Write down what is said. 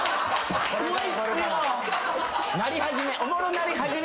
なり始め。